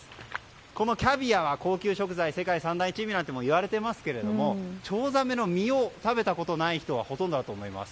このキャビアは高級食材で世界三大珍味なんて言われていますがチョウザメの身を食べたことがない人がほとんどだと思います。